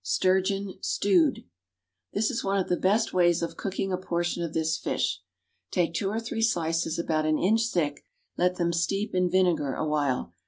=Sturgeon, Stewed.= This is one of the best ways of cooking a portion of this fish. Take two or three slices about an inch thick, let them steep in vinegar awhile.